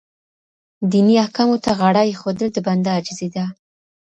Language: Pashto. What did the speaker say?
دیني احکامو ته غاړه ایښودل د بنده عاجزي ده.